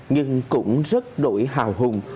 nhưng cũng rất đổi hào hùng